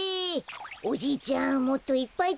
おじいちゃんもっといっぱいつってよ。